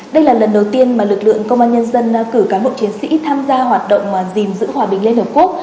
đây là lần đầu tiên mà lực lượng công an nhân dân cử cán bộ chiến sĩ tham gia hoạt động gìn giữ hòa bình liên hợp quốc